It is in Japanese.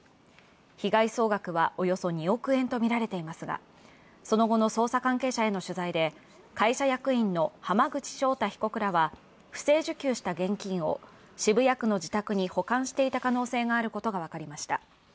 被害総額はおよそ２億円とみられていますが、その後の捜査関係者への取材で会社役員の浜口正太被告らは、不正受給した現金を渋谷区の自宅に補完していた可能性があることが分かりました。